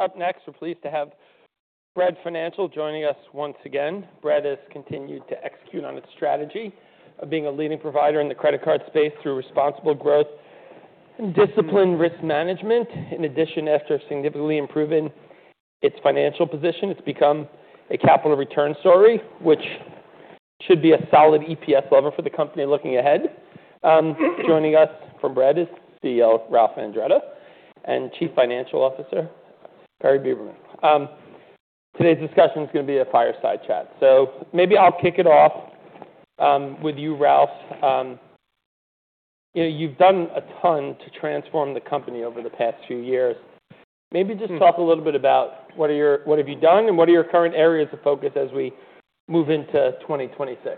Up next, we're pleased to have Bread Financial joining us once again. Bread has continued to execute on its strategy of being a leading provider in the credit card space through responsible growth and disciplined risk management. In addition, after significantly improving its financial position, it's become a capital return story, which should be a solid EPS level for the company looking ahead. Joining us from Bread is CEO Ralph Andretta and Chief Financial Officer Perry Beberman. Today's discussion is gonna be a fireside chat, so maybe I'll kick it off with you, Ralph. You know, you've done a ton to transform the company over the past few years. Maybe just talk a little bit about what are your, what have you done and what are your current areas of focus as we move into 2026?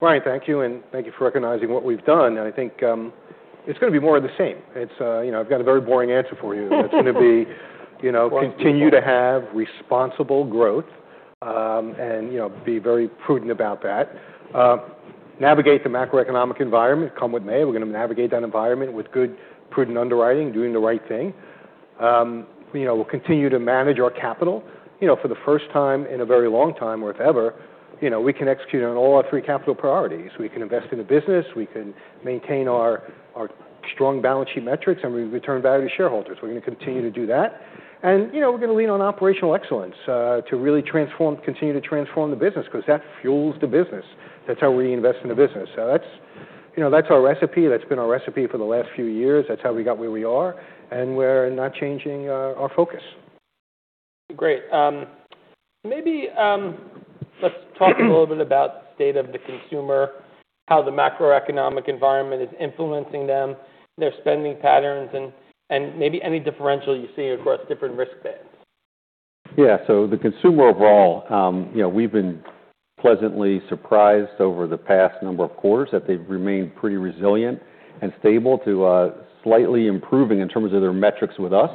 Right. Thank you. And thank you for recognizing what we've done. And I think it's gonna be more of the same. It's, you know, I've got a very boring answer for you. It's gonna be, you know, continue to have responsible growth, and, you know, be very prudent about that. Navigate the macroeconomic environment. Come with me. We're gonna navigate that environment with good, prudent underwriting, doing the right thing. You know, we'll continue to manage our capital, you know, for the first time in a very long time or if ever, you know, we can execute on all our three capital priorities. We can invest in the business. We can maintain our strong balance sheet metrics and we return value to shareholders. We're gonna continue to do that. And, you know, we're gonna lean on operational excellence, to really transform, continue to transform the business 'cause that fuels the business. That's how we invest in the business. So that's, you know, that's our recipe. That's been our recipe for the last few years. That's how we got where we are. And we're not changing, our focus. Great. Maybe, let's talk a little bit about the state of the consumer, how the macroeconomic environment is influencing them, their spending patterns, and maybe any differential you see across different risk bands. Yeah, so the consumer overall, you know, we've been pleasantly surprised over the past number of quarters that they've remained pretty resilient and stable too, slightly improving in terms of their metrics with us.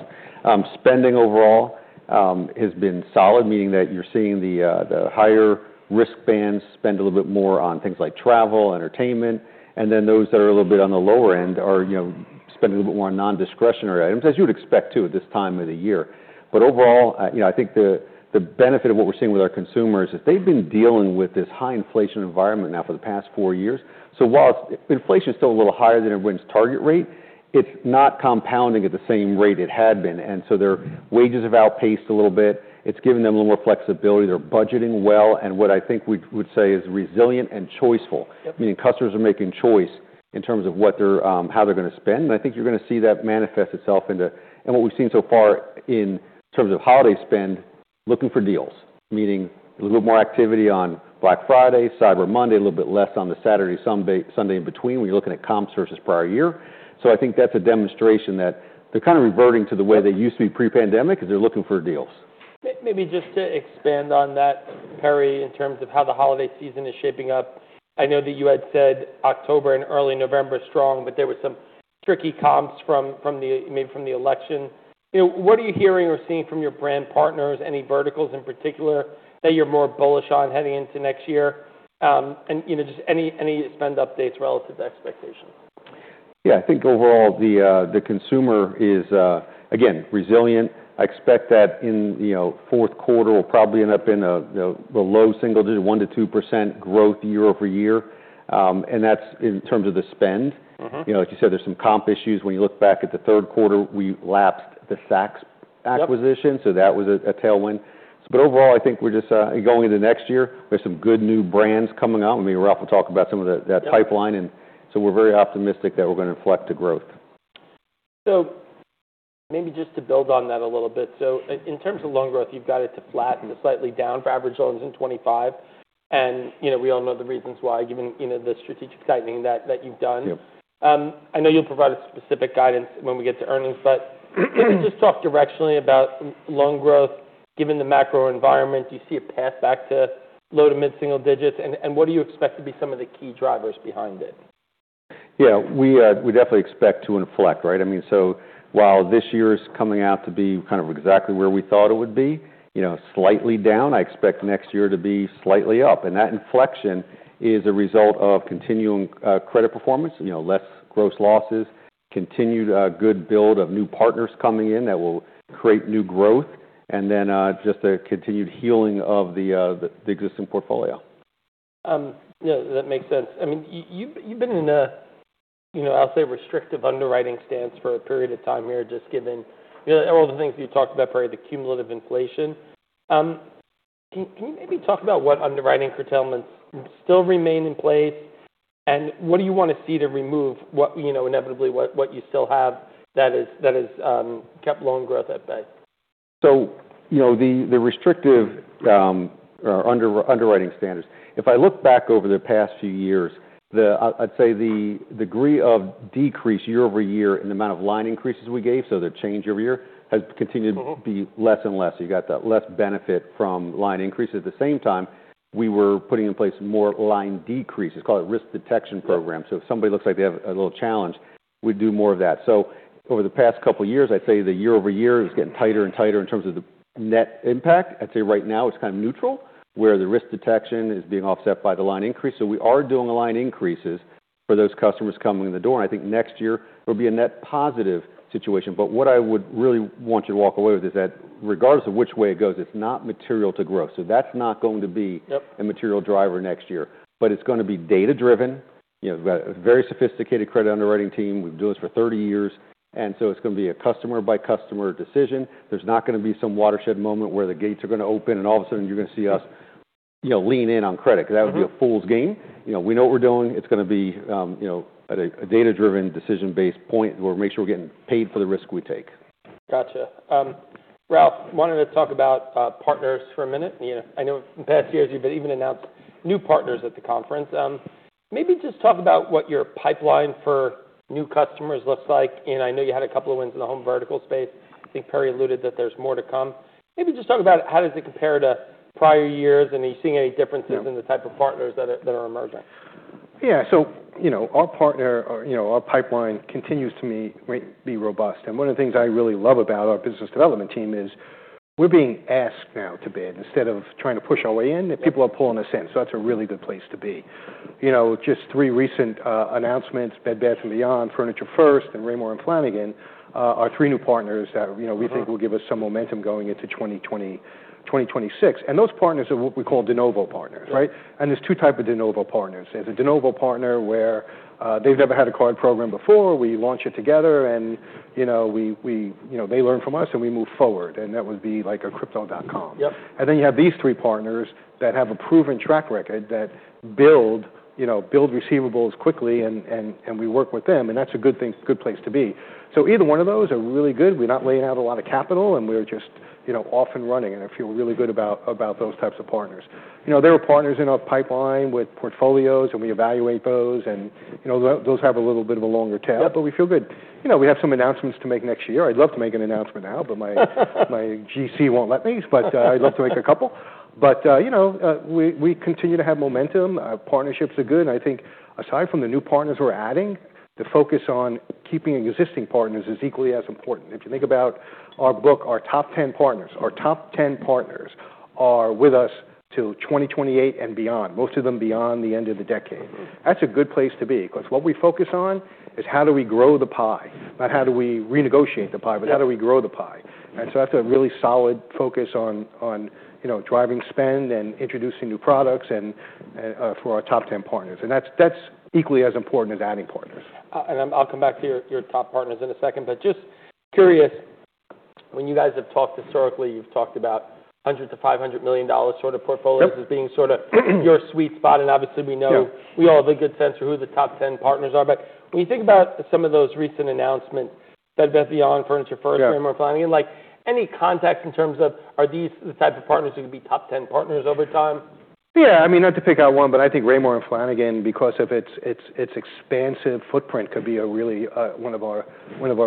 Spending overall has been solid, meaning that you're seeing the higher risk bands spend a little bit more on things like travel, entertainment, and then those that are a little bit on the lower end are, you know, spending a little bit more on non-discretionary items, as you would expect too at this time of the year, but overall, you know, I think the benefit of what we're seeing with our consumers is they've been dealing with this high inflation environment now for the past four years, so while inflation's still a little higher than everyone's target rate, it's not compounding at the same rate it had been. And so their wages have outpaced a little bit. It's given them a little more flexibility. They're budgeting well. And what I think we would say is resilient and choice-full, meaning customers are making choice in terms of what they're, how they're gonna spend. And I think you're gonna see that manifest itself into, and what we've seen so far in terms of holiday spend, looking for deals, meaning a little bit more activity on Black Friday, Cyber Monday, a little bit less on the Saturday, Sunday in between when you're looking at comps versus prior year. So I think that's a demonstration that they're kind of reverting to the way they used to be pre-pandemic 'cause they're looking for deals. Maybe just to expand on that, Perry, in terms of how the holiday season is shaping up, I know that you had said October and early November strong, but there were some tricky comps from the, maybe from the election. You know, what are you hearing or seeing from your brand partners, any verticals in particular that you're more bullish on heading into next year? And, you know, just any spend updates relative to expectations? Yeah. I think overall the consumer is again resilient. I expect that in, you know, fourth quarter, we'll probably end up in a low single digit 1%-2% growth year over year, and that's in terms of the spend. Mm-hmm. You know, like you said, there's some comp issues. When you look back at the third quarter, we lapsed the Saks acquisition. Mm-hmm. So that was a tailwind. But overall, I think we're just going into next year. There's some good new brands coming out. I mean, Ralph will talk about some of the pipeline. Mm-hmm. And so we're very optimistic that we're gonna inflect the growth. So maybe just to build on that a little bit. So in terms of loan growth, you've got it to flatten slightly down for average loans in 2025. And, you know, we all know the reasons why, given, you know, the strategic tightening that you've done. Yep. I know you'll provide us specific guidance when we get to earnings, but just talk directionally about loan growth. Given the macro environment, do you see a path back to low to mid-single digits? And, what do you expect to be some of the key drivers behind it? Yeah. We definitely expect to inflect, right? I mean, so while this year's coming out to be kind of exactly where we thought it would be, you know, slightly down, I expect next year to be slightly up. And that inflection is a result of continuing credit performance, you know, less gross losses, continued good build of new partners coming in that will create new growth, and then just a continued healing of the existing portfolio. You know, that makes sense. I mean, you've been in a, you know, I'll say restrictive underwriting stance for a period of time here, just given, you know, all the things you talked about, Perry, the cumulative inflation. Can you maybe talk about what underwriting curtailments still remain in place? And what do you wanna see to remove what, you know, inevitably what you still have that is kept loan growth at bay? So, you know, the restrictive, or underwriting standards, if I look back over the past few years, I'd say the degree of decrease year over year in the amount of line increases we gave, so the change every year has continued to be less and less. You got that less benefit from line increase. At the same time, we were putting in place more line decreases. Call it risk detection program. Mm-hmm. So if somebody looks like they have a little challenge, we do more of that. So over the past couple of years, I'd say the year over year is getting tighter and tighter in terms of the net impact. I'd say right now it's kind of neutral where the risk detection is being offset by the line increase. So we are doing line increases for those customers coming in the door. And I think next year will be a net positive situation. But what I would really want you to walk away with is that regardless of which way it goes, it's not material to growth. So that's not going to be. Yep. A material driver next year, but it's gonna be data-driven. You know, we've got a very sophisticated credit underwriting team. We've done this for 30 years, and so it's gonna be a customer-by-customer decision. There's not gonna be some watershed moment where the gates are gonna open and all of a sudden you're gonna see us, you know, lean in on credit. Mm-hmm. 'Cause that would be a fool's game. You know, we know what we're doing. It's gonna be, you know, at a data-driven, decision-based point where we make sure we're getting paid for the risk we take. Gotcha. Ralph, wanted to talk about partners for a minute. You know, I know in past years you've even announced new partners at the conference. Maybe just talk about what your pipeline for new customers looks like. And I know you had a couple of wins in the home vertical space. I think Perry alluded that there's more to come. Maybe just talk about how does it compare to prior years and are you seeing any differences. Mm-hmm. In the type of partners that are emerging? Yeah, so, you know, our partner, or, you know, our pipeline continues to be robust, and one of the things I really love about our business development team is we're being asked now to bid instead of trying to push our way in. Mm-hmm. People are pulling us in. So that's a really good place to be. You know, just three recent announcements, Bed Bath & Beyond, Furniture First, and Raymour & Flanigan, our three new partners that are, you know, we think will give us some momentum going into 2020, 2026. And those partners are what we call de novo partners, right? Mm-hmm. And there's two types of de novo partners. There's a de novo partner where, they've never had a card program before. We launch it together and, you know, we, you know, they learn from us and we move forward. And that would be like a Crypto.com. Yep. And then you have these three partners that have a proven track record that build, you know, receivables quickly and we work with them. And that's a good thing, good place to be. So either one of those are really good. We're not laying out a lot of capital and we're just, you know, off and running. And I feel really good about those types of partners. You know, there are partners in our pipeline with portfolios and we evaluate those and, you know, those have a little bit of a longer tail. Yep. But we feel good. You know, we have some announcements to make next year. I'd love to make an announcement now, but my GC won't let me. But I'd love to make a couple. But you know, we continue to have momentum. Partnerships are good. And I think aside from the new partners we're adding, the focus on keeping existing partners is equally as important. If you think about our book, our top 10 partners are with us till 2028 and beyond, most of them beyond the end of the decade. Mm-hmm. That's a good place to be, 'cause what we focus on is how do we grow the pie, not how do we renegotiate the pie, but how do we grow the pie? Mm-hmm. And so that's a really solid focus on, you know, driving spend and introducing new products and for our top 10 partners. And that's equally as important as adding partners. And I'll come back to your top partners in a second. But just curious, when you guys have talked historically, you've talked about hundreds of $500 million sort of portfolios. Yep. As being sort of your sweet spot. And obviously we know. Yep. We all have a good sense of who the top 10 partners are. But when you think about some of those recent announcements, Bed Bath & Beyond, Furniture First. Yep. Raymour & Flanigan, like any context in terms of are these the type of partners who could be top 10 partners over time? Yeah. I mean, not to pick out one, but I think Raymour & Flanigan because of its expansive footprint could be a really one of our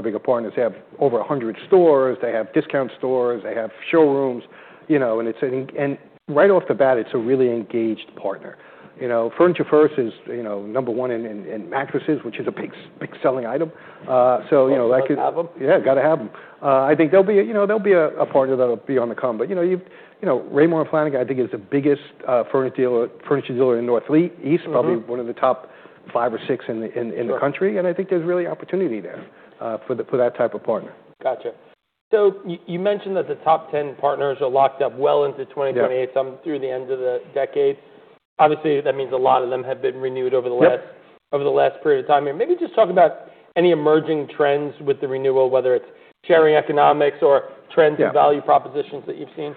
bigger partners. They have over a hundred stores. They have discount stores. They have showrooms, you know. And it's right off the bat a really engaged partner. You know, Furniture First is number one in mattresses, which is a big, big selling item. So, you know, that could. You gotta have 'em. Yeah. Gotta have 'em. I think they'll be a, you know, a partner that'll be on the come. But, you know, Raymour & Flanigan I think is the biggest furniture dealer in Northeast. Mm-hmm. Probably one of the top five or six in the country. Mm-hmm. And I think there's really opportunity there for that type of partner. Gotcha. So you mentioned that the top 10 partners are locked up well into 2028. Yep. Some through the end of the decade. Obviously, that means a lot of them have been renewed over the last. Yep. Over the last period of time here. Maybe just talk about any emerging trends with the renewal, whether it's sharing economics or trends in value? Yep. Propositions that you've seen.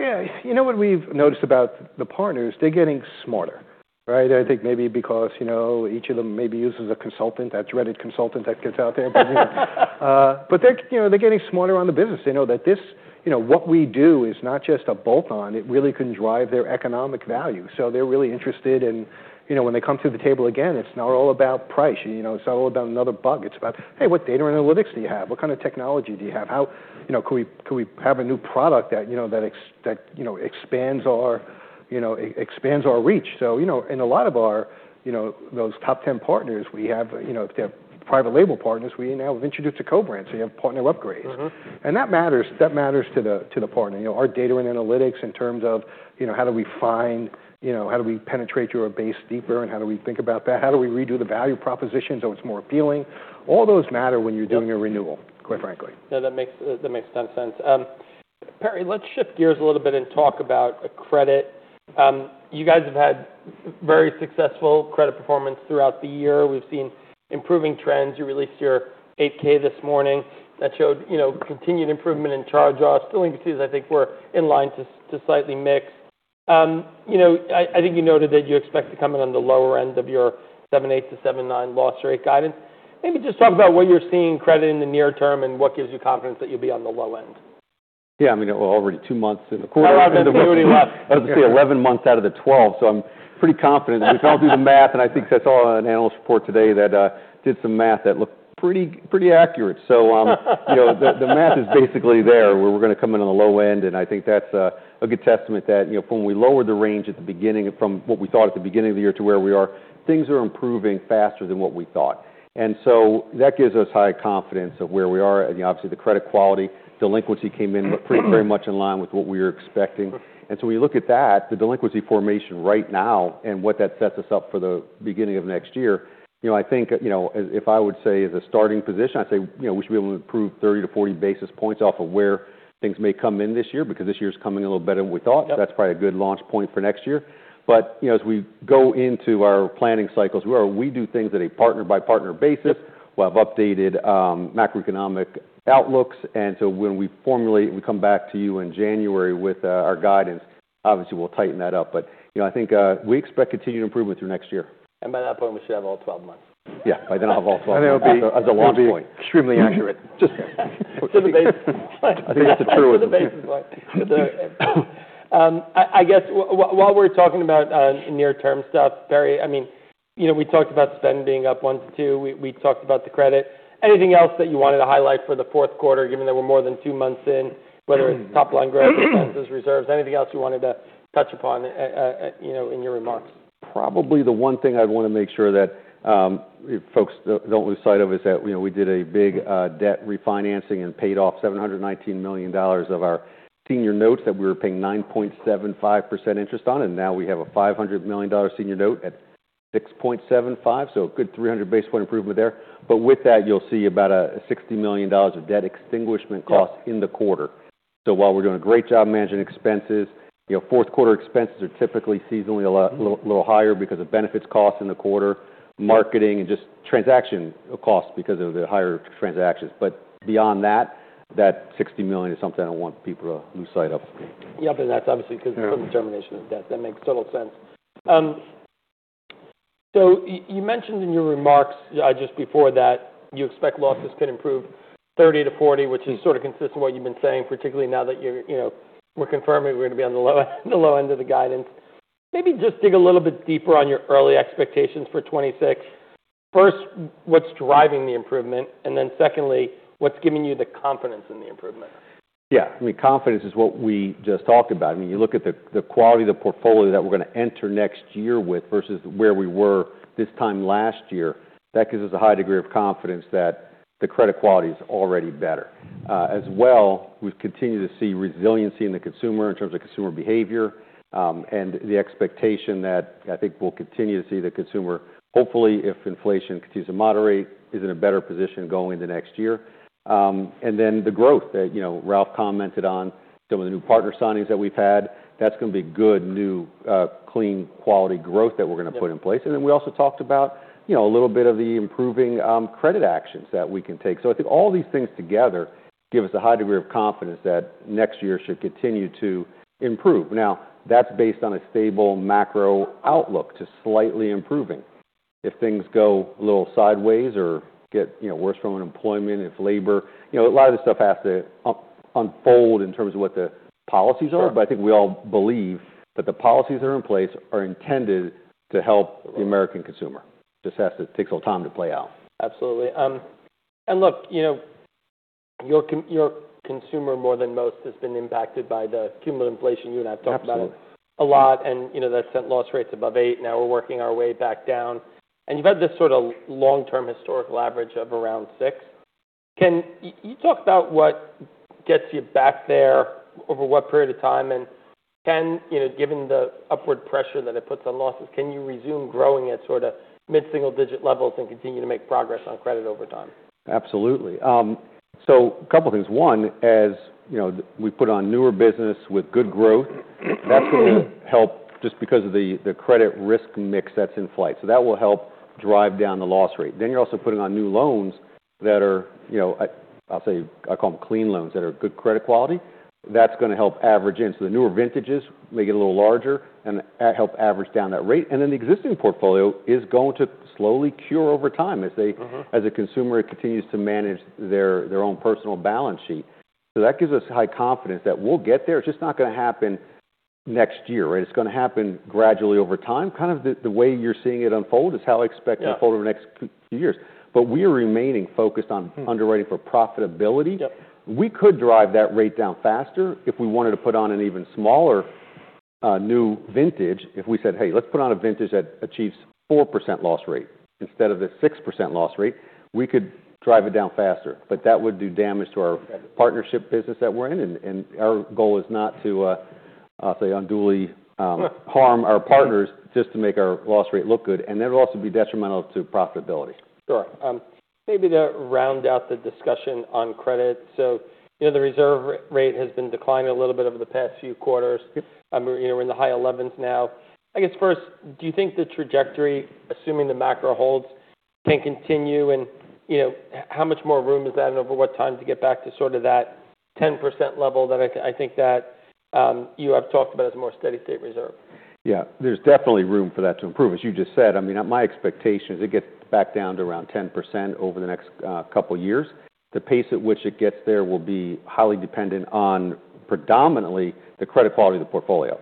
Yeah. You know what we've noticed about the partners? They're getting smarter, right? I think maybe because, you know, each of them maybe uses a consultant, that's credit consultant that gets out there. Mm-hmm. But they're, you know, getting smarter on the business. They know that this, you know, what we do is not just a bolt-on. It really can drive their economic value. So they're really interested in, you know, when they come to the table again, it's not all about price. You know, it's not all about another buck. It's about, hey, what data analytics do you have? What kind of technology do you have? How, you know, could we have a new product that, you know, expands our reach? So, you know, in a lot of our, you know, those top 10 partners, we have, you know, if they have private label partners, we now have introduced a co-brand. So you have partner upgrades. Mm-hmm. That matters, that matters to the partner. You know, our data and analytics in terms of, you know, how do we find, you know, how do we penetrate your base deeper and how do we think about that? How do we redo the value proposition so it's more appealing? All those matter when you're doing a renewal, quite frankly. Yeah. That makes a ton of sense. Perry, let's shift gears a little bit and talk about credit. You guys have had very successful credit performance throughout the year. We've seen improving trends. You released your 8-K this morning. That showed, you know, continued improvement in charge-offs. Still, you can see that I think we're in line to slightly miss. You know, I think you noted that you expect to come in on the lower end of your 7.8-7.9 loss rate guidance. Maybe just talk about what you're seeing in credit in the near term and what gives you confidence that you'll be on the low end. Yeah. I mean, well, already two months in the quarter. 11. We already left. I was gonna say 11 months out of the 12. So I'm pretty confident. Mm-hmm. We've all done the math. And I think I saw an analyst report today that did some math that looked pretty, pretty accurate. So, you know, the math is basically there where we're gonna come in on the low end. And I think that's a good testament that, you know, from we lowered the range at the beginning from what we thought at the beginning of the year to where we are, things are improving faster than what we thought. And so that gives us high confidence of where we are. And, you know, obviously the credit quality, delinquency came in. Mm-hmm. But pretty, very much in line with what we were expecting. Mm-hmm. And so when you look at that, the delinquency formation right now and what that sets us up for the beginning of next year, you know, I think, you know, as if I would say as a starting position, I'd say, you know, we should be able to improve 30-40 basis points off of where things may come in this year because this year's coming a little better than we thought. Yep. That's probably a good launch point for next year. But, you know, as we go into our planning cycles, we do things at a partner-by-partner basis. Mm-hmm. We'll have updated macroeconomic outlooks, and so when we formulate, we come back to you in January with our guidance. Obviously we'll tighten that up, but you know, I think we expect continued improvement through next year. By that point, we should have all 12 months. Yeah. By then I'll have all 12 months. It'll be. As a long. Basis point. Extremely accurate. Just for the basis point. I think that's a true one. Just for the basis point. I guess while we're talking about near-term stuff, Perry, I mean, you know, we talked about spend being up one to two. We talked about the credit. Anything else that you wanted to highlight for the fourth quarter, given that we're more than two months in, whether it's top line growth? Mm-hmm. Expenses, reserves, anything else you wanted to touch upon, you know, in your remarks? Probably the one thing I'd wanna make sure that folks don't lose sight of is that, you know, we did a big debt refinancing and paid off $719 million of our senior notes that we were paying 9.75% interest on. And now we have a $500 million senior note at 6.75. So a good 300 basis point improvement there. But with that, you'll see about a $60 million of debt extinguishment cost. Mm-hmm. In the quarter. So while we're doing a great job managing expenses, you know, fourth quarter expenses are typically seasonally a little higher because of benefits cost in the quarter, marketing, and just transaction cost because of the higher transactions. But beyond that, that $60 million is something I don't want people to lose sight of. Yep. And that's obviously 'cause it's from the termination of debt. That makes total sense. So you mentioned in your remarks, just before that you expect losses could improve 30-40, which is sort of consistent with what you've been saying, particularly now that you're, you know, we're confirming we're gonna be on the low end of the guidance. Maybe just dig a little bit deeper on your early expectations for 2026. First, what's driving the improvement? And then secondly, what's giving you the confidence in the improvement? Yeah. I mean, confidence is what we just talked about. I mean, you look at the quality of the portfolio that we're gonna enter next year with versus where we were this time last year. That gives us a high degree of confidence that the credit quality is already better. As well, we've continued to see resiliency in the consumer in terms of consumer behavior, and the expectation that I think we'll continue to see the consumer, hopefully if inflation continues to moderate, is in a better position going into next year, and then the growth that, you know, Ralph commented on, some of the new partner signings that we've had. That's gonna be good, new, clean quality growth that we're gonna put in place, and then we also talked about, you know, a little bit of the improving credit actions that we can take. So I think all these things together give us a high degree of confidence that next year should continue to improve. Now, that's based on a stable macro outlook to slightly improving. If things go a little sideways or get, you know, worse from unemployment, if labor, you know, a lot of this stuff has to unfold in terms of what the policies are. Mm-hmm. But I think we all believe that the policies that are in place are intended to help the American consumer. Just has to take a little time to play out. Absolutely. And look, you know, your consumer more than most has been impacted by the cumulative inflation you and I've talked about. Absolutely. A lot. And, you know, that's sent loss rates above eight. Now we're working our way back down. And you've had this sort of long-term historical average of around six. Can you talk about what gets you back there over what period of time? And can, you know, given the upward pressure that it puts on losses, can you resume growing at sort of mid-single digit levels and continue to make progress on credit over time? Absolutely, so a couple of things. One, as you know, we put on newer business with good growth, that's gonna help just because of the credit risk mix that's in flight, so that will help drive down the loss rate, then you're also putting on new loans that are, you know, I'll say, I call them clean loans that are good credit quality. That's gonna help average in, so the newer vintages make it a little larger and help average down that rate, and then the existing portfolio is going to slowly cure over time as they. Mm-hmm. As a consumer, it continues to manage their own personal balance sheet. So that gives us high confidence that we'll get there. It's just not gonna happen next year, right? It's gonna happen gradually over time. Kind of the way you're seeing it unfold is how I expect to unfold over the next few years. But we are remaining focused on underwriting for profitability. Yep. We could drive that rate down faster if we wanted to put on an even smaller, new vintage. If we said, "Hey, let's put on a vintage that achieves 4% loss rate instead of the 6% loss rate," we could drive it down faster. But that would do damage to our partnership business that we're in. And our goal is not to, I'll say unduly, harm our partners just to make our loss rate look good. And that'll also be detrimental to profitability. Sure. Maybe to round out the discussion on credit, so you know, the reserve rate has been declining a little bit over the past few quarters. Yep. We're, you know, we're in the high 11s now. I guess first, do you think the trajectory, assuming the macro holds, can continue? And, you know, how much more room is that? And over what time to get back to sort of that 10% level that I think that you have talked about as a more steady state reserve? Yeah. There's definitely room for that to improve, as you just said. I mean, my expectation is it gets back down to around 10% over the next couple of years. The pace at which it gets there will be highly dependent on predominantly the credit quality of the portfolio.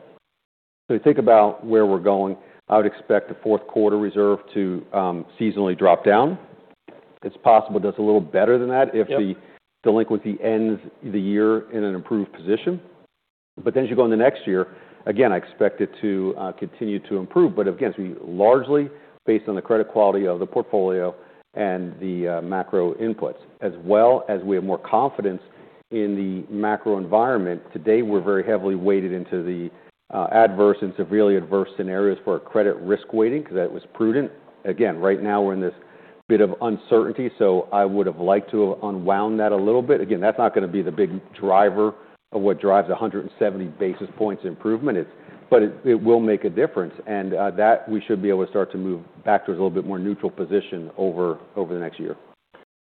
So you think about where we're going. I would expect the fourth quarter reserve to seasonally drop down. It's possible it does a little better than that if the. Yep. Delinquency ends the year in an improved position, but then as you go into next year, again, I expect it to continue to improve, but again, it's gonna be largely based on the credit quality of the portfolio and the macro inputs. As well as we have more confidence in the macro environment, today we're very heavily weighted into the adverse and severely adverse scenarios for our credit risk weighting 'cause that was prudent. Again, right now we're in this bit of uncertainty, so I would've liked to unwound that a little bit. Again, that's not gonna be the big driver of what drives 170 basis points improvement, it's but it will make a difference, and that we should be able to start to move back to a little bit more neutral position over the next year.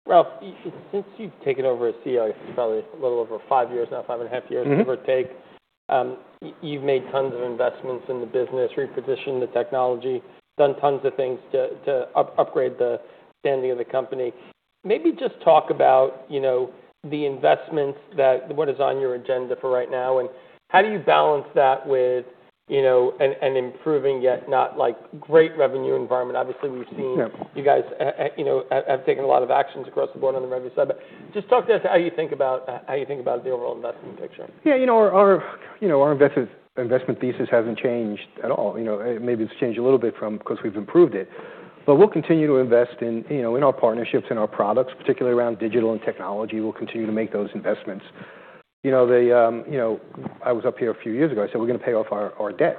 Ralph, you, since you've taken over as CEO, I guess it's probably a little over five years now, five and a half years. Mm-hmm. Give or take. You've made tons of investments in the business, repositioned the technology, done tons of things to upgrade the standing of the company. Maybe just talk about, you know, the investments that what is on your agenda for right now. And how do you balance that with, you know, an improving yet not, like, great revenue environment? Obviously, we've seen. Yeah. You guys, you know, have taken a lot of actions across the board on the revenue side, but just talk to us how you think about the overall investment picture. Yeah. You know, our investment thesis hasn't changed at all. You know, maybe it's changed a little bit from 'cause we've improved it. But we'll continue to invest in, you know, in our partnerships and our products, particularly around digital and technology. We'll continue to make those investments. You know, I was up here a few years ago. I said, "We're gonna pay off our debt."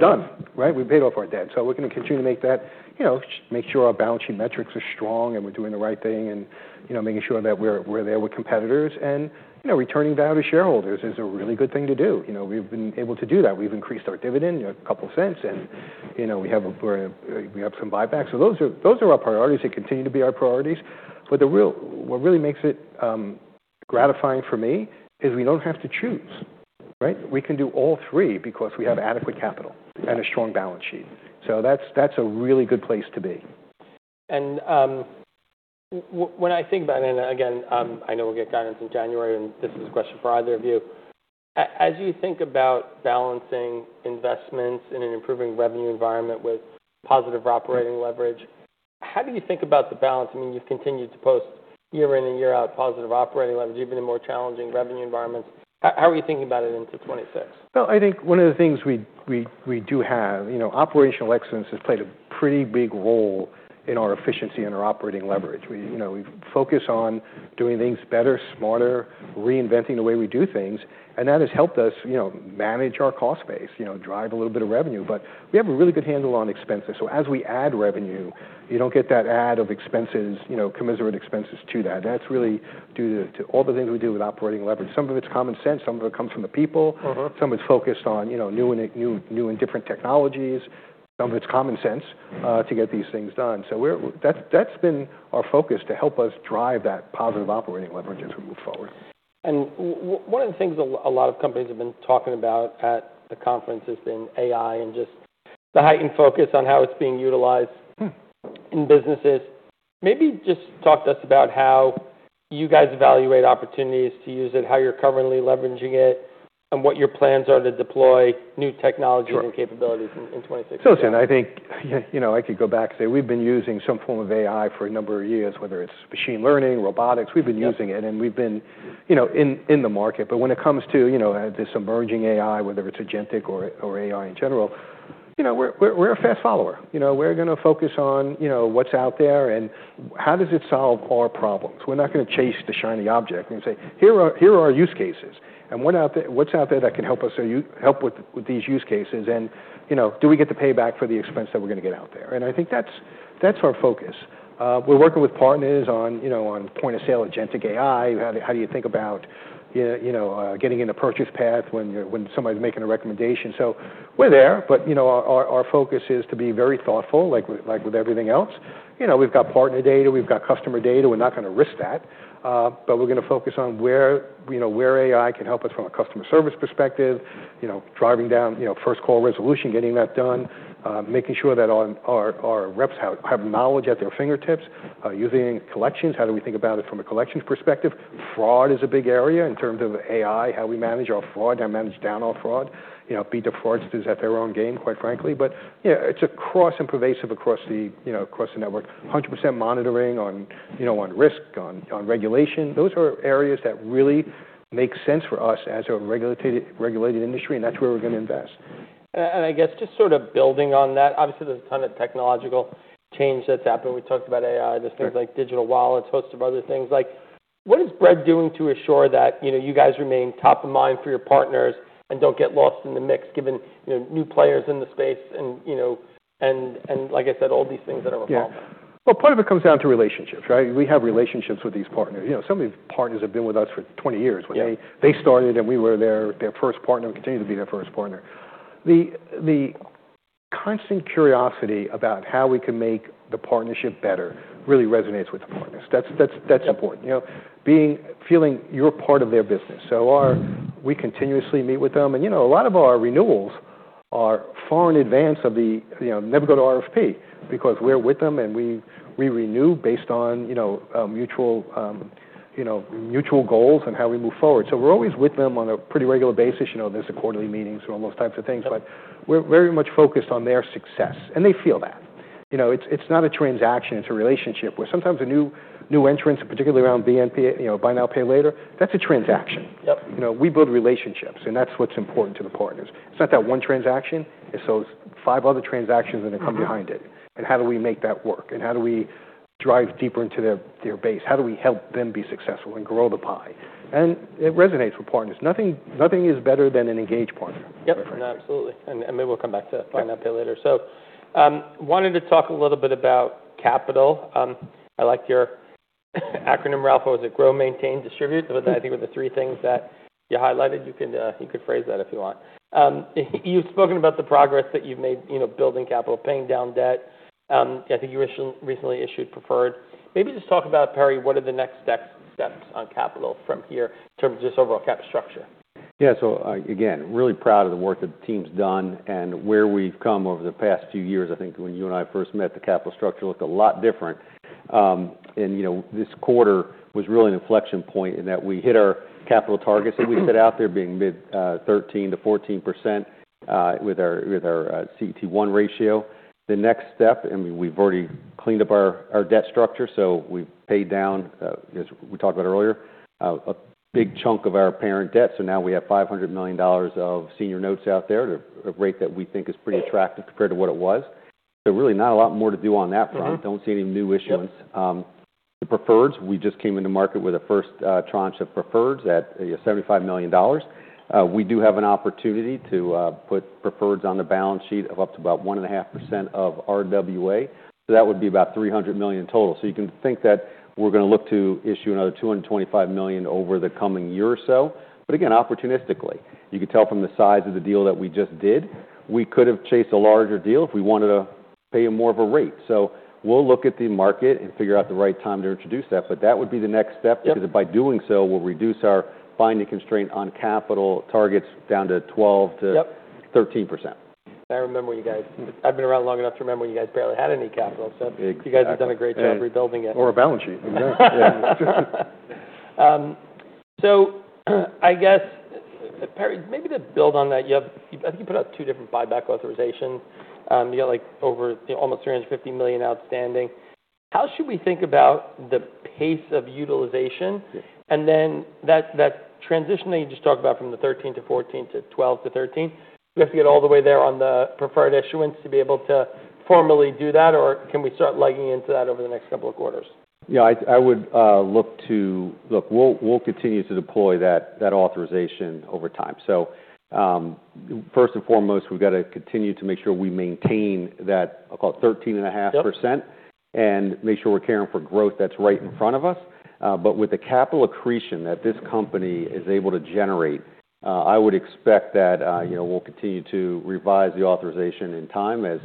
Done. Right? We paid off our debt. So we're gonna continue to make that, you know, make sure our balance sheet metrics are strong and we're doing the right thing and, you know, making sure that we're there with competitors, and, you know, returning value to shareholders is a really good thing to do. You know, we've been able to do that. We've increased our dividend a couple of cents. You know, we have some buybacks. So those are our priorities. They continue to be our priorities. But what really makes it gratifying for me is we don't have to choose. Right? We can do all three because we have adequate capital and a strong balance sheet. So that's a really good place to be. And, when I think about it, and again, I know we'll get guidance in January, and this is a question for either of you. As you think about balancing investments in an improving revenue environment with positive operating leverage, how do you think about the balance? I mean, you've continued to post year in and year out positive operating leverage, even in more challenging revenue environments. How are you thinking about it into 2026? I think one of the things we do have, you know, operational excellence has played a pretty big role in our efficiency and our operating leverage. We, you know, we focus on doing things better, smarter, reinventing the way we do things. And that has helped us, you know, manage our cost base, you know, drive a little bit of revenue. But we have a really good handle on expenses. So as we add revenue, you don't get that add of expenses, you know, commensurate expenses to that. That's really due to all the things we do with operating leverage. Some of it's common sense. Some of it comes from the people. Mm-hmm. Some of it's focused on, you know, new and different technologies. Some of it's common sense, to get these things done. So that's been our focus to help us drive that positive operating leverage as we move forward. What are the things a lot of companies have been talking about at the conference has been AI and just the heightened focus on how it's being utilized in businesses. Maybe just talk to us about how you guys evaluate opportunities to use it, how you're currently leveraging it, and what your plans are to deploy new technology. Sure. And capabilities in 2026. Listen, I think, you know, I could go back and say we've been using some form of AI for a number of years, whether it's machine learning, robotics. We've been using it. Mm-hmm. And we've been, you know, in the market. But when it comes to, you know, this emerging AI, whether it's agentic or AI in general, you know, we're a fast follower. You know, we're gonna focus on, you know, what's out there and how does it solve our problems. We're not gonna chase the shiny object and say, "Here are our use cases. And what's out there that can help us, you help with these use cases?" And, you know, do we get the payback for the expense that we're gonna get out there? And I think that's our focus. We're working with partners on, you know, point of sale agentic AI. How do you think about, you know, getting in the purchase path when somebody's making a recommendation? So we're there. But, you know, our focus is to be very thoughtful, like with everything else. You know, we've got partner data. We've got customer data. We're not gonna risk that. but we're gonna focus on where, you know, where AI can help us from a customer service perspective, you know, driving down, you know, first call resolution, getting that done, making sure that our reps have knowledge at their fingertips, using collections. How do we think about it from a collections perspective? Fraud is a big area in terms of AI, how we manage our fraud and manage down our fraud. You know, beat the fraudsters at their own game, quite frankly. But, you know, it's across and pervasive across the, you know, across the network. 100% monitoring on, you know, on risk, on regulation. Those are areas that really make sense for us as a regulated industry, and that's where we're gonna invest. And I guess just sort of building on that, obviously there's a ton of technological change that's happened. We talked about AI, there's things like digital wallets, host of other things. Like, what is Bread doing to assure that, you know, you guys remain top of mind for your partners and don't get lost in the mix, given, you know, new players in the space and, you know, like I said, all these things that are involved? Yeah, well, part of it comes down to relationships, right? We have relationships with these partners. You know, some of these partners have been with us for 20 years. Yes. When they started and we were their first partner and continue to be their first partner. The constant curiosity about how we can make the partnership better really resonates with the partners. That's important. Mm-hmm. You know, being, feeling you're part of their business, so we continuously meet with them. You know, a lot of our renewals are far in advance of the, you know, never go to RFP because we're with them and we renew based on, you know, mutual, you know, mutual goals and how we move forward, so we're always with them on a pretty regular basis. You know, there's the quarterly meetings and all those types of things, but we're very much focused on their success, and they feel that. You know, it's not a transaction. It's a relationship where sometimes new entrants, particularly around BNPL, you know, Buy Now, Pay Later, that's a transaction. Yep. You know, we build relationships. And that's what's important to the partners. It's not that one transaction. It's those five other transactions that come behind it. And how do we make that work? And how do we drive deeper into their base? How do we help them be successful and grow the pie? And it resonates with partners. Nothing is better than an engaged partner. Yep. Absolutely. And maybe we'll come back to Buy Now, Pay Later. So wanted to talk a little bit about capital. I like your acronym, Ralph. What was it? Grow, maintain, distribute. But I think it was the three things that you highlighted. You could phrase that if you want. You've spoken about the progress that you've made, you know, building capital, paying down debt. I think you recently issued preferred. Maybe just talk about, Perry, what are the next steps on capital from here in terms of just overall cap structure? Yeah. So, again, really proud of the work that the team's done and where we've come over the past few years. I think when you and I first met, the capital structure looked a lot different, and, you know, this quarter was really an inflection point in that we hit our capital targets that we set out there, being mid-13% to 14%, with our CET1 ratio. The next step, I mean, we've already cleaned up our debt structure. So we've paid down, as we talked about earlier, a big chunk of our parent debt. So now we have $500 million of senior notes out there at a rate that we think is pretty attractive compared to what it was. So really not a lot more to do on that front. Mm-hmm. Don't see any new issuance. The preferreds, we just came into market with a first tranche of preferreds at, you know, $75 million. We do have an opportunity to put preferreds on the balance sheet of up to about 1.5% of RWA. So that would be about $300 million total. So you can think that we're gonna look to issue another $225 million over the coming year or so. But again, opportunistically, you can tell from the size of the deal that we just did, we could've chased a larger deal if we wanted to pay a more of a rate. So we'll look at the market and figure out the right time to introduce that. But that would be the next step. Yep. Because by doing so, we'll reduce our binding constraint on capital targets down to 12 to. Yep. 13 percent. And I remember when you guys. I've been around long enough to remember when you guys barely had any capital. So. Exactly. You guys have done a great job rebuilding it. Or a balance sheet. Exactly. Yeah. So I guess, Perry, maybe to build on that, you have, I think, you put out two different buyback authorizations. You got like over, you know, almost $350 million outstanding. How should we think about the pace of utilization? And then that transition that you just talked about from the 13-14 to 12 to 13, do we have to get all the way there on the preferred issuance to be able to formally do that? Or can we start plugging into that over the next couple of quarters? Yeah. We'll continue to deploy that authorization over time. So, first and foremost, we've gotta continue to make sure we maintain that. I'll call it 13.5%. Yep. And make sure we're caring for growth that's right in front of us. But with the capital accretion that this company is able to generate, I would expect that, you know, we'll continue to revise the authorization in time as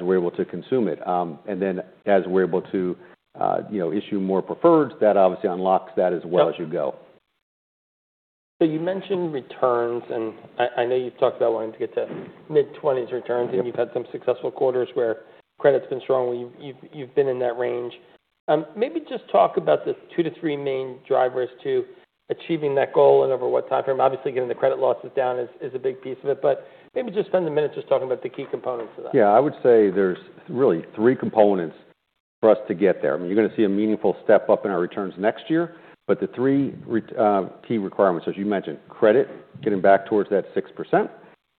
we're able to consume it. And then as we're able to, you know, issue more preferreds, that obviously unlocks that as well as you go. Yep. So you mentioned returns. And I know you've talked about wanting to get to mid-20s returns. Mm-hmm. And you've had some successful quarters where credit's been strong. Well, you've been in that range. Maybe just talk about the two to three main drivers to achieving that goal and over what time frame. Obviously, getting the credit losses down is a big piece of it. But maybe just spend a minute just talking about the key components of that. Yeah. I would say there's really three components for us to get there. I mean, you're gonna see a meaningful step up in our returns next year. But the three key requirements, as you mentioned, credit, getting back towards that 6%,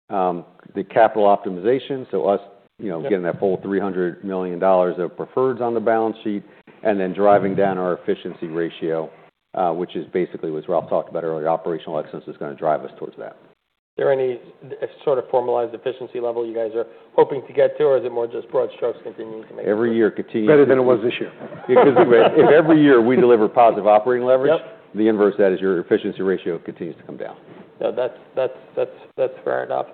the capital optimization. So us, you know, getting that full $300 million of preferreds on the balance sheet and then driving down our efficiency ratio, which is basically what Ralph talked about earlier. Operational excellence is gonna drive us towards that. Is there any sort of formalized efficiency level you guys are hoping to get to? Or is it more just broad strokes continuing to make progress? Every year continues to better than it was this year. Because if every year we deliver positive operating leverage. Yep. The inverse of that is your efficiency ratio continues to come down. No, that's fair enough.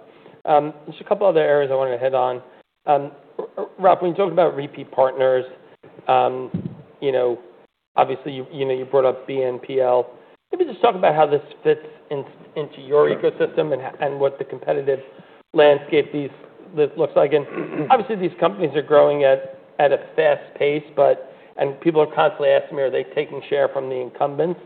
Just a couple other areas I wanted to hit on. Ralph, when you talked about repeat partners, you know, obviously you brought up BNPL. Maybe just talk about how this fits into your ecosystem and what the competitive landscape this looks like. And obviously, these companies are growing at a fast pace. But, and people are constantly asking me, are they taking share from the incumbents?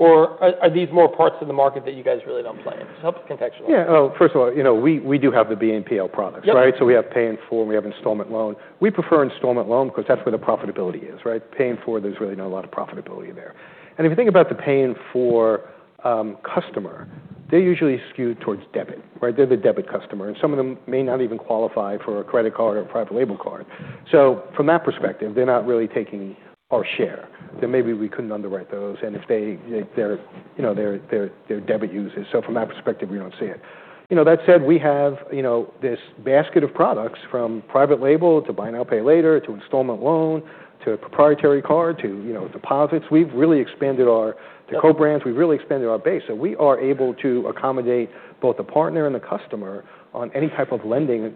Or are these more parts of the market that you guys really don't play in? Just help contextualize. Yeah. Oh, first of all, you know, we do have the BNPL products. Yep. Right? So we have pay in full. We have installment loan. We prefer installment loan because that's where the profitability is, right? Pay in full, there's really not a lot of profitability there. And if you think about the pay in full customer, they're usually skewed towards debit, right? They're the debit customer. And some of them may not even qualify for a credit card or a private label card. So from that perspective, they're not really taking our share. Then maybe we couldn't underwrite those. And if they're, you know, they're debit users. So from that perspective, we don't see it. You know, that said, we have, you know, this basket of products from private label to Buy Now, Pay Later, to installment loan, to proprietary card, to, you know, deposits. We've really expanded our to co-brands. We've really expanded our base. So we are able to accommodate both the partner and the customer on any type of lending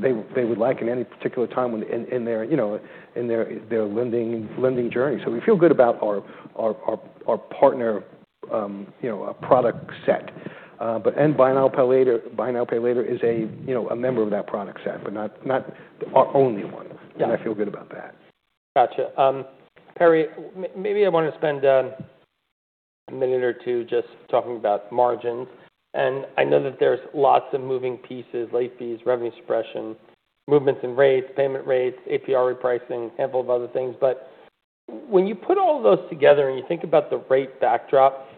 they would like in any particular time when in their you know in their lending journey. So we feel good about our partner you know product set, and Buy Now, Pay Later is a you know a member of that product set, but not our only one. Yep. I feel good about that. Gotcha. Perry, maybe I wanted to spend a minute or two just talking about margins. And I know that there's lots of moving pieces, late fees, revenue suppression, movements in rates, payment rates, APR repricing, a handful of other things. But when you put all those together and you think about the rate backdrop,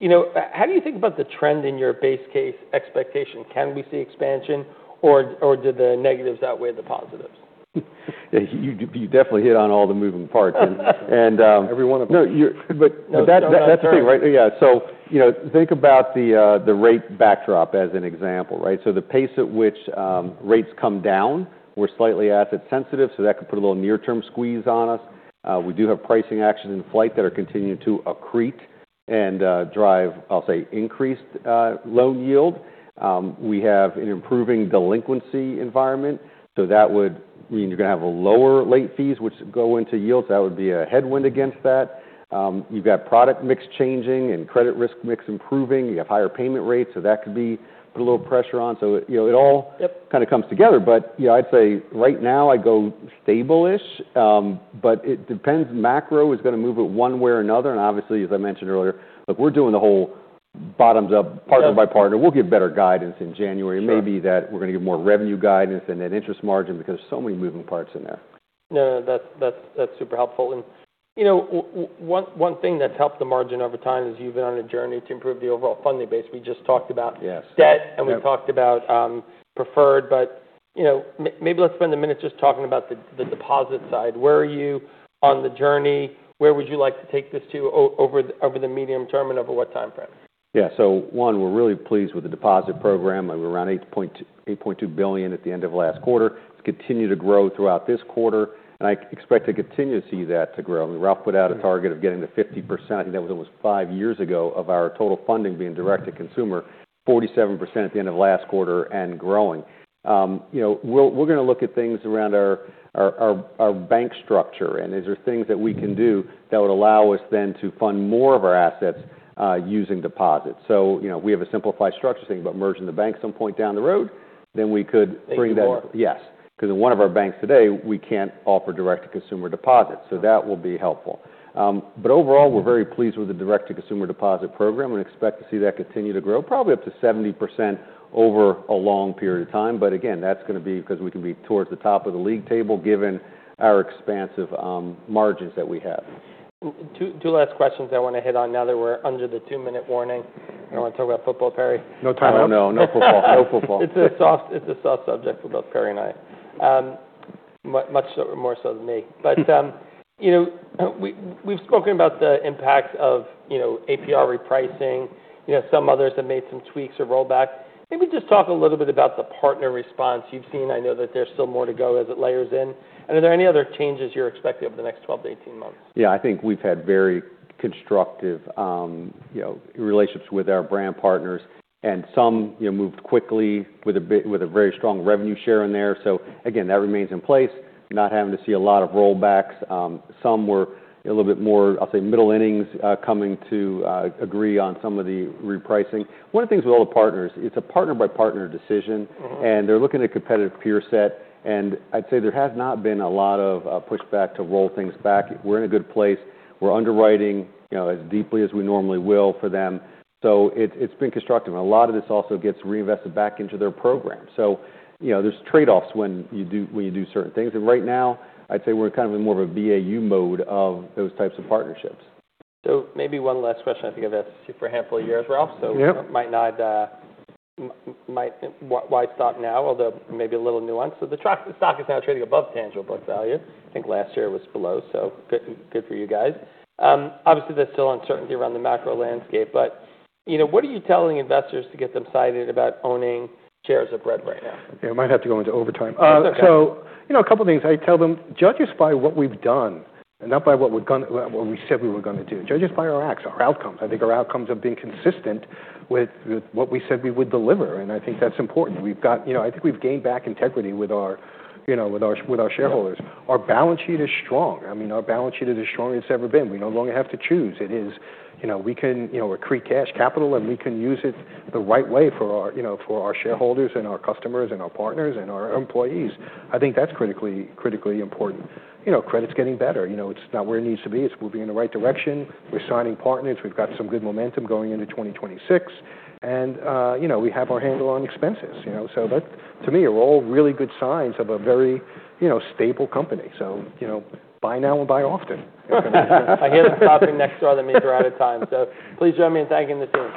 you know, how do you think about the trend in your base case expectation? Can we see expansion? Or do the negatives outweigh the positives? You definitely hit on all the moving parts. And, Every one of them. No, you're right, but that's the thing, right? Yeah. So, you know, think about the rate backdrop as an example, right? So the pace at which rates come down, we're slightly asset sensitive. So that could put a little near-term squeeze on us. We do have pricing actions in flight that are continuing to accrete and drive, I'll say, increased loan yield. We have an improving delinquency environment. So that would mean you're gonna have lower late fees, which go into yields. That would be a headwind against that. You've got product mix changing and credit risk mix improving. You have higher payment rates. So that could put a little pressure on. So, you know, it all. Yep. Kinda comes together. But, you know, I'd say right now I go stable-ish. But it depends. Macro is gonna move it one way or another. And obviously, as I mentioned earlier, look, we're doing the whole bottoms up. Yep. Partner by partner. We'll get better guidance in January. Yep. Maybe that we're gonna get more revenue guidance and that interest margin because there's so many moving parts in there. No, that's super helpful. And, you know, one thing that's helped the margin over time is you've been on a journey to improve the overall funding base. We just talked about. Yes. Debt. Yep. And we talked about preferred. But, you know, maybe let's spend a minute just talking about the deposit side. Where are you on the journey? Where would you like to take this to over the medium term and over what time frame? Yeah. So one, we're really pleased with the deposit program. We were around $8.2 billion at the end of last quarter. It's continued to grow throughout this quarter. And I expect to continue to see that grow. I mean, Ralph put out a target of getting to 50%. I think that was almost five years ago of our total funding being direct to consumer, 47% at the end of last quarter and growing. You know, we're gonna look at things around our bank structure. And is there things that we can do that would allow us then to fund more of our assets, using deposits? So, you know, we have a simplified structure, thinking about merging the bank at some point down the road. Then we could bring that. Into more. Yes. Because in one of our banks today, we can't offer direct to consumer deposits. So that will be helpful. But overall, we're very pleased with the direct to consumer deposit program and expect to see that continue to grow, probably up to 70% over a long period of time. But again, that's gonna be because we can be towards the top of the league table given our expansive margins that we have. Two last questions I want to hit on now that we're under the two-minute warning. I don't wanna talk about football, Perry. No time to. I don't know. No football. No football. It's a soft subject for both Perry and I, much, much more so than me. But, you know, we've spoken about the impacts of, you know, APR repricing. You know, some others have made some tweaks or rollback. Maybe just talk a little bit about the partner response. You've seen, I know, that there's still more to go as it layers in. And are there any other changes you're expecting over the next 12-18 months? Yeah. I think we've had very constructive, you know, relationships with our brand partners. And some, you know, moved quickly with a bit, with a very strong revenue share in there. So again, that remains in place. Not having to see a lot of rollbacks. Some were a little bit more, I'll say, middle innings coming to agree on some of the repricing. One of the things with all the partners, it's a partner by partner decision. Mm-hmm. And they're looking at a competitive peer set. And I'd say there has not been a lot of pushback to roll things back. We're in a good place. We're underwriting, you know, as deeply as we normally will for them. So it's been constructive. And a lot of this also gets reinvested back into their program. So, you know, there's trade-offs when you do certain things. And right now, I'd say we're kind of in more of a BAU mode of those types of partnerships. So maybe one last question. I think I've asked this for a handful of years, Ralph. Yeah. So might not. Why stop now, although maybe a little nuance. So the stock is now trading above tangible book value. I think last year it was below. So good, good for you guys. Obviously, there's still uncertainty around the macro landscape. But, you know, what are you telling investors to get them excited about owning shares of Bread right now? Yeah. We might have to go into overtime. That's okay. So, you know, a couple of things. I tell them, judge us by what we've done and not by what we're gonna, what we said we were gonna do. Judge us by our acts, our outcomes. I think our outcomes have been consistent with what we said we would deliver. And I think that's important. We've got, you know, I think we've gained back integrity with our, you know, shareholders. Our balance sheet is strong. I mean, our balance sheet is as strong as it's ever been. We no longer have to choose. It is, you know, we can, you know, accrete cash capital, and we can use it the right way for our, you know, shareholders and our customers and our partners and our employees. I think that's critically, critically important. You know, credit's getting better. You know, it's not where it needs to be. It's moving in the right direction. We're signing partners. We've got some good momentum going into 2026, and you know, we have a handle on expenses, you know, so that, to me, are all really good signs of a very, you know, stable company, so you know, buy now and buy often. I hear the coughing next door. The mic's right on time. So please join me in thanking the team.